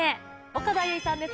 岡田結実さんです。